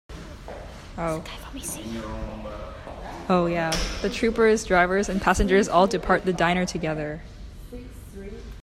The troopers, driver and passengers all depart the diner together.